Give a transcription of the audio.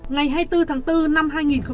ngày hai mươi bốn tháng bốn năm hai nghìn hai mươi